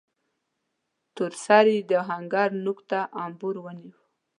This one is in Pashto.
تور سړي د آهنګر نوک ته امبور ونيو.